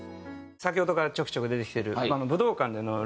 先ほどからちょくちょく出てきてる。